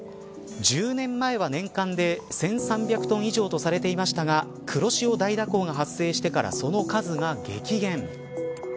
１０年前は年間で１３００トン以上とされていましたが黒潮大蛇行が発生してからその数が激減。